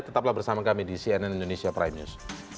tetaplah bersama kami di cnn indonesia prime news